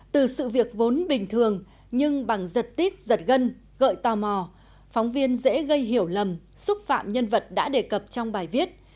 từ sự việc vốn bình thường nhưng bằng giật tít giật gân gợi tò mò phóng viên dễ gây hiểu lầm xúc phạm nhân vật đã đề cập trong bài viết